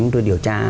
tôi điều tra